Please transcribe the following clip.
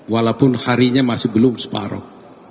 walaupun harinya masih belum separoh